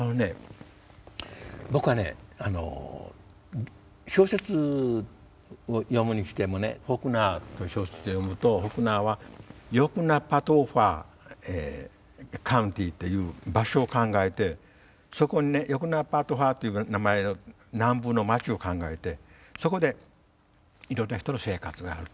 僕はね小説を読むにしてもねフォークナーの小説を読むとフォークナーはヨクナパトーファカウンティーという場所を考えてそこにねヨクナパトーファという名前の南部の町を考えてそこでいろんな人の生活があると。